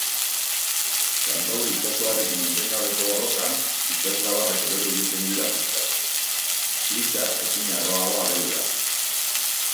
Kantauri itsasoarekin etengabeko borrokan, itsaslabarrak erori egiten dira puskaka: flyscha ezin harroago ageri da.